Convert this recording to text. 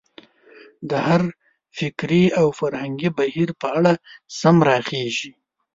د هر فکري او فرهنګي بهیر په اړه سم راخېژي.